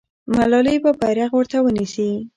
ملالۍ به بیرغ ورته ونیسي.